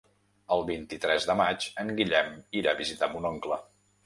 El vint-i-tres de maig en Guillem irà a visitar mon oncle.